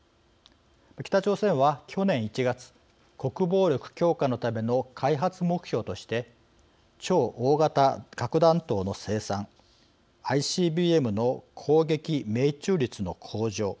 北朝鮮は去年１月国防力強化のための開発目標として超大型核弾頭の生産ＩＣＢＭの攻撃命中率の向上